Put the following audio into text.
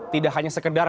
tidak hanya sekedar